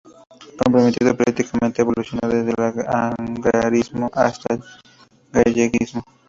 Comprometido políticamente, evolucionó desde el agrarismo hasta el galleguismo.